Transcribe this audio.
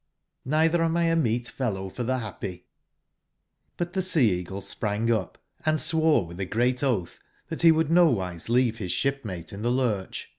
J^eitber am X a meet fellow for tbe bappy '* j^But tbe Sea/eagle sprang up, and swore witb a great oatb tbat be would nowise leave bis sbipmate in tbe lurcb.